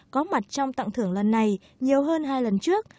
có mặt trong tặng thưởng lần này nhiều hơn hai lần trước